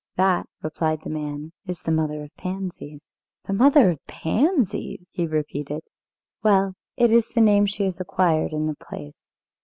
"That," replied the man, "is the Mother of Pansies." "The Mother of Pansies!" he repeated. "Well it is the name she has acquired in the place.